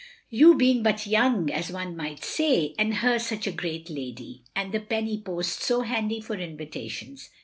You being but young, as one might say, and her such a great lady, and the penny post so handy for invitations.